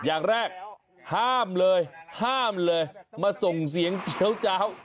อย่างแรกห้ามเลยห้ามเลยมาส่งเสียงเจี๊ยวเจ้า